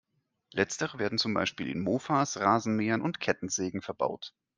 Letztere werden zum Beispiel in Mofas, Rasenmähern und Kettensägen verbaut.